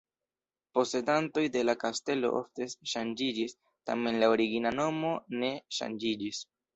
Posedantoj de la kastelo ofte ŝanĝiĝis, tamen la origina nomo ne ŝanĝiĝis.